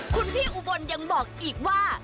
คุณพี่อุบลยังบอกอีกว่า